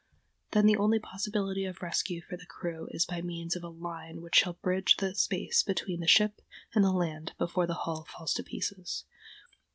Then the only possibility of rescue for the crew is by means of a line which shall bridge the space between the ship and the land before the hull falls to pieces.